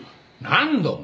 何度も？